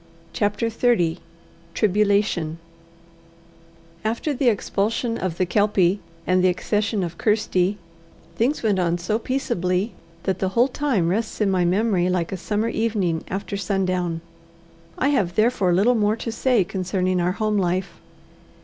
CHAPTER XXX Tribulation After the expulsion of the Kelpie, and the accession of Kirsty, things went on so peaceably, that the whole time rests in my memory like a summer evening after sundown. I have therefore little more to say concerning our home life.